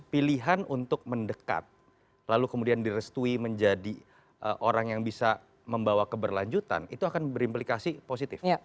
pilihan untuk mendekat lalu kemudian direstui menjadi orang yang bisa membawa keberlanjutan itu akan berimplikasi positif